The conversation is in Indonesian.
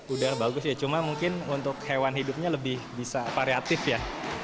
udah bagus ya cuma mungkin untuk hewan hidupnya lebih bisa variatif ya